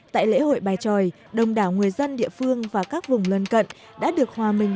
tại lễ hội bài tròi đông đảo người dân địa phương và các vùng lân cận đã được hòa mình